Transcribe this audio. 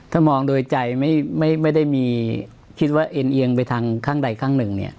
ถ้ามองโดยใจไม่ได้มีคิดว่าเอ็นเอียงไปทางข้างใดข้างหนึ่ง